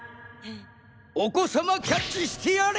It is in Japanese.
お子さまキャッチしてやれ！